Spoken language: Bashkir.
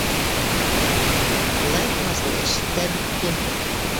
— Улай булғас ни, эш тә бөттө.